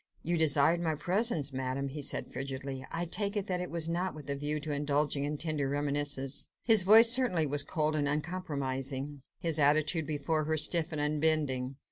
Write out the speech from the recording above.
"You desired my presence, Madame," he said frigidly. "I take it that it was not with a view to indulging in tender reminiscences." His voice certainly was cold and uncompromising: his attitude before her, stiff and unbending.